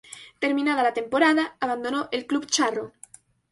Terminada la temporada, abandonó el club charro.